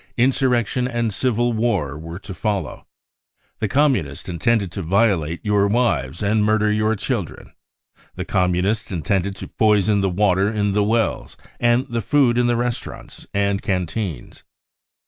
Insurrection and civil war were to follow ! The Communists intended to violate your wives and murder your children ! The Communists intended to poison the water in the wells and the food in the restaurants and can teens